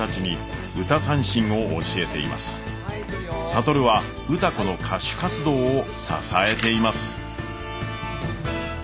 智は歌子の歌手活動を支えています。